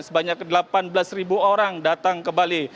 sebanyak delapan belas ribu orang datang ke bali